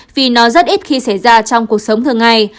vì nó rất ít khi xảy ra trong cuộc sống thường ngày